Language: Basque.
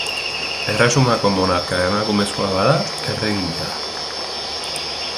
Erresumako monarka emakumezkoa bada, erregina da.